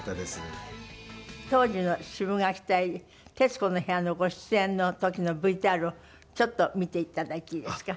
当時のシブがき隊『徹子の部屋』のご出演の時のＶＴＲをちょっと見て頂いていいですか？